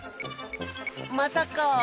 まさか。